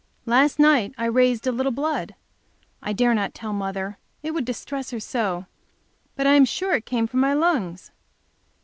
Last night I raised a little blood. I dare not tell mother, it would distress her so, but I am sure it came from my lungs.